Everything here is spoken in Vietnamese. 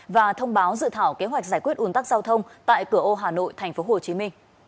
và thông báo dự thảo kế hoạch giải quyết un tắc giao thông tại cửa ô hà nội tp hcm